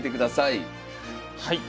はい。